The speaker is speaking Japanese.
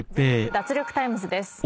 脱力タイムズ』です。